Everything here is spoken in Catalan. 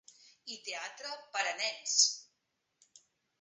I teatre per a nens.